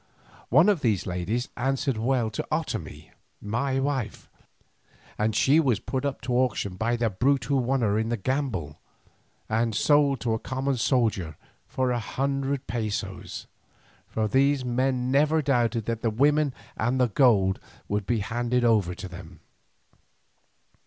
One of these ladies answered well to Otomie, my wife, and she was put up to auction by the brute who won her in the gamble, and sold to a common soldier for a hundred pesos. For these men never doubted but that the women and the gold would be handed over to them.